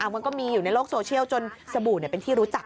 มันก็มีอยู่ในโลกโซเชียลจนสบู่เป็นที่รู้จัก